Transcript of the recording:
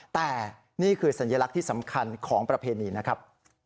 แต่นี่คือสัญลักษณ์ที่สำคัญของประเพณีนะครับ